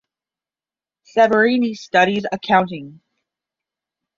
Severini studies accounting.